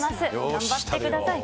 頑張ってください。